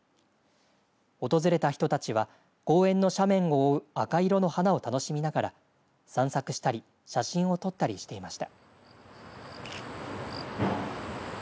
訪れた人たちは公園の斜面を覆う赤色の花を楽しみながら散策したり写真を撮ったりしていました。